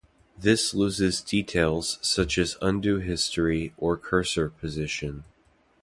This loses details such as undo history or cursor position.